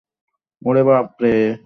ওরে, বাপরে!